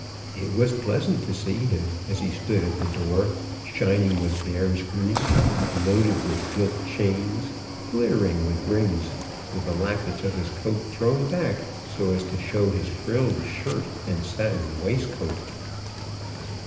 It was pleasant to see him as he stood at the door, shining with bear's grease, loaded with gilt chains, glittering with rings, with the lappets of his coat thrown back so as to show his frilled shirt and satin waistcoat.